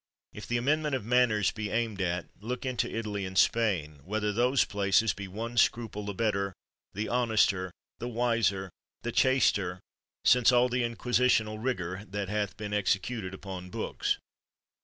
If the amendment of manners be aimed at, look into Italy and Spain, whether those places be one scruple the better, the honester, the wiser, the chaster, since all the inquisitional rigor that hath been executed upon books.